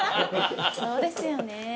そうですよね。